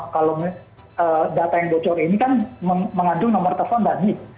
kalau data yang bocor ini kan mengandung nomor telepon dan nix